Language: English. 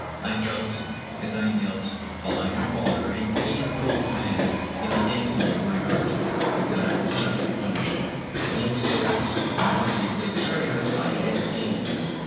I felt, as I knelt by her father and kissed her cold hand in the agony of my heart, that I was justly punished. Below stairs, in the valise, lay the treasure I had gained.